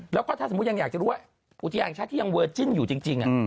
แล้วก็ถ้าสมมุติยังอยากจะรู้ว่าอุทยานแห่งชาติที่ยังเวอร์จิ้นอยู่จริง